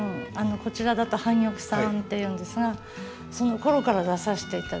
こちらだと半玉さんと言うんですがそのころから出させていただいて。